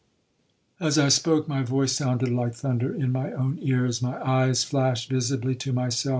As I spoke, my voice sounded like thunder in my own ears, my eyes flashed visibly to myself.